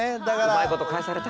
うまいこと返された。